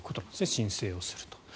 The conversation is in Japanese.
申請をすると。